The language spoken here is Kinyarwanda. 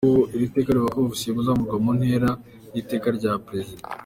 Iri teka rivuga ko Ba Ofisiye bazamurwa mu ntera n’iteka rya Perezida.